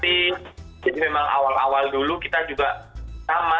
jadi memang awal awal dulu kita juga sama